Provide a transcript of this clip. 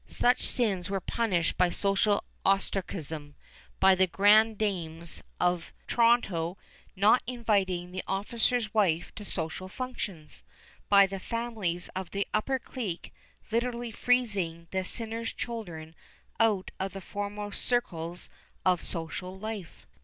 Such sins were punished by social ostracism, by the grand dames of Toronto not inviting the officer's wife to social functions, by the families of the upper clique literally freezing the sinner's children out of the foremost circles of social life.